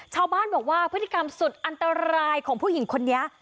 ชาวบ้านบอกว่าพฤติกรรมสุดอันตรายของผู้หญิงคนนี้